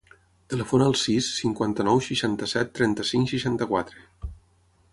Telefona al sis, cinquanta-nou, seixanta-set, trenta-cinc, seixanta-quatre.